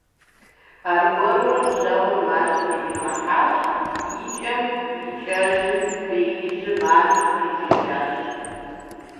Аргуэру бжэгъур мащэм ирихьэхащ - и кӀэм и кӀэжым беижьыр мащэм къикӀыжащ.